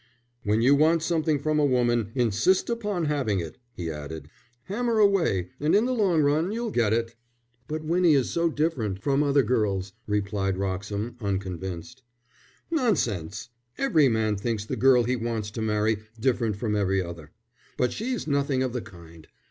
"When you want something from a woman insist upon having it," he added. "Hammer away and in the long run you'll get it." "But Winnie is so different from other girls," replied Wroxham, unconvinced. "Nonsense! Every man thinks the girl he wants to marry different from every other. But she's nothing of the kind.